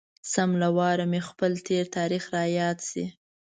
سم له واره مې خپل تېر تاريخ را یاد شي.